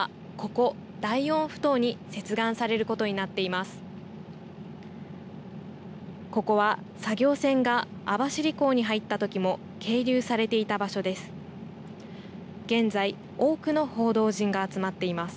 ここは作業船が網走港に入ったときも係留されていた場所です。